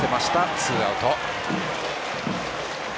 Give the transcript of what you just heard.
ツーアウト。